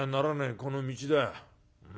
この道だ。